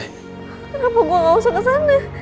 kenapa gue gak usah kesana